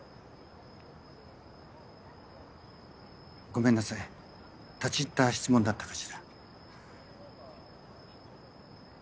ごめんなさい立ち入った質問だったかしら。